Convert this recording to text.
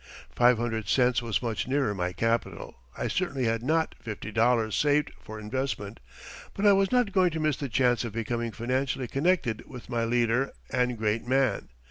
Five hundred cents was much nearer my capital. I certainly had not fifty dollars saved for investment, but I was not going to miss the chance of becoming financially connected with my leader and great man.